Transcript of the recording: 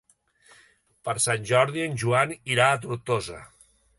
Per Sant Jordi en Joan irà a Tortosa.